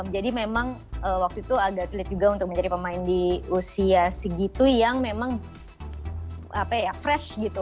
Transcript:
jadi memang waktu itu agak sulit juga untuk mencari pemain di usia segitu yang memang fresh gitu